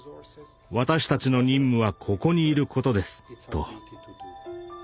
私たちの任務はここにいることです」と。